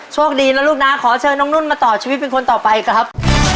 โชคดีนะลูกนะขอเชิญน้องนุ่นมาต่อชีวิตเป็นคนต่อไปครับ